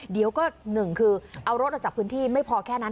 เดี๋ยวก็หนึ่งคือเอารถออกจากพื้นที่ไม่พอแค่นั้น